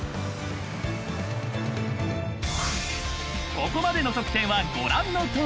［ここまでの得点はご覧のとおり］